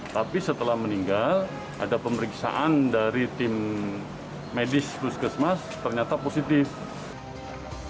tapi setelah meninggal ada pemeriksaan dari tim medis puskesmas ternyata positif